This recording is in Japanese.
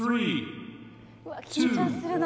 うわっ緊張するな